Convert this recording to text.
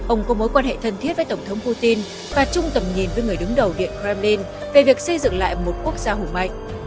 ông có mối quan hệ thân thiết với tổng thống putin và chung tầm nhìn với người đứng đầu điện kremlin về việc xây dựng lại một quốc gia hùng mạnh